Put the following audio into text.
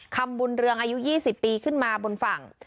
คำบุญเรืองอายุ๒๐ปีขึ้นมาบนฝั่ง